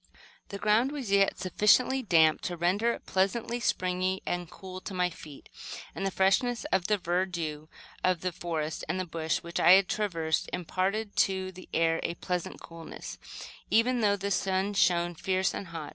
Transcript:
The ground was yet sufficiently damp to render it pleasantly springy and cool to my feet, and the freshness of the verdure of the forest and bush which I traversed imparted to the air a pleasant coolness, even though the sun shone fierce and hot.